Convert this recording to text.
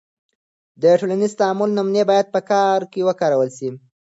د ټولنیز تعامل نمونې باید په کار کې وکارول سي.